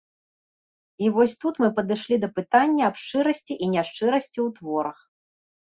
І вось тут мы падышлі да пытання аб шчырасці і няшчырасці ў творах.